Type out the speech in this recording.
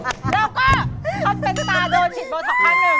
และก็ต้องเป็นตาโดดจิตเบาท้อตัวท่ะพะหนึ่ง